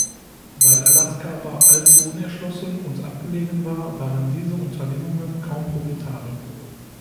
Weil Alaska aber allzu unerschlossen und abgelegen war, waren diese Unternehmungen kaum profitabel.